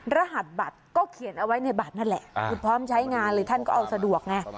รหัสบัตรก็เขียนเอาไว้ในบัตรนั่นแหละคือพร้อมใช้งานเลยท่านก็เอาสะดวกไง